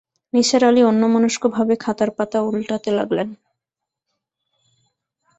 নিসার আলি অন্যমনস্কভাবে খাতার পাতা ওন্টাতে লাগলেন।